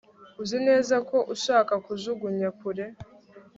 uzi neza ko ushaka kujugunya kure